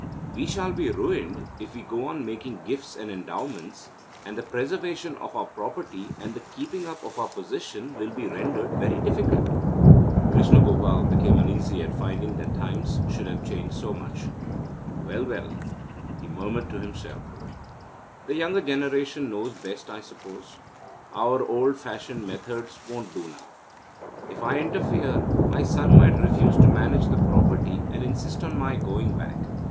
We shall be ruined if we go on making gifts and endowments, and the preservation of our property and the keeping up of our position will be rendered very difficult.' Krishna Gopal became uneasy at finding that times should have changed so much. 'Well, well,' he murmured to himself, 'the younger generation knows best, I suppose. Our old fashioned methods won't do now. If I interfere, my son might refuse to manage the property, and insist on my going back.